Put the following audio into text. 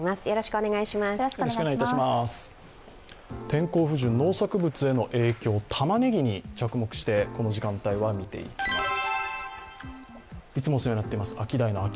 天候不順、農作物への影響、たまねぎに着目して、この時間帯は見ていきます。